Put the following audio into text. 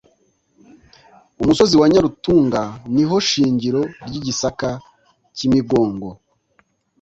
Umusozi wa Nyarutunga niho shingiro ry’i Gisaka cy’i Migongo